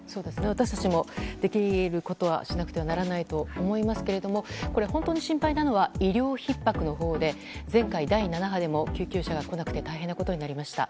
私たちもできることはしなくてはならないと思いますけども本当に心配なのは医療ひっ迫のほうで前回第７波でも救急車が来なくて大変なことになりました。